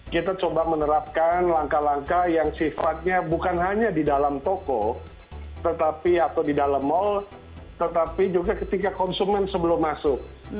kita coba menerapkan langkah langkah yang sifatnya bukan hanya di dalam toko tetapi atau di dalam mal tetapi juga ketika konsumen sebelum masuk